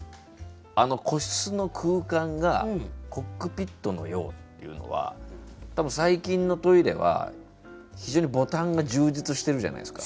あの個室の空間が「コックピットのよう」っていうのは多分最近のトイレは非常にボタンが充実してるじゃないですか。